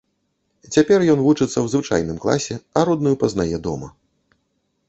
Цяпер ён вучыцца ў звычайным класе, а родную пазнае дома.